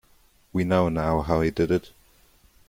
We know now how he did it.